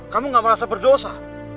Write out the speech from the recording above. kamu gak merasa berdosa